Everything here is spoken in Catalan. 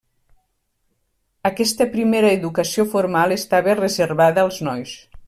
Aquesta primera educació formal estava reservada als nois.